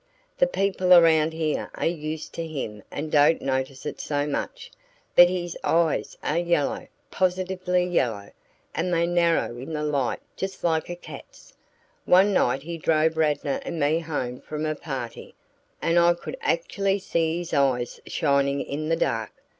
The people around here are used to him and don't notice it so much, but his eyes are yellow positively yellow, and they narrow in the light just like a cat's. One night he drove Radnor and me home from a party, and I could actually see his eyes shining in the dark.